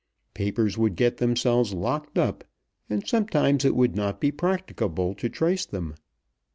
Papers would get themselves locked up, and sometimes it would not be practicable to trace them.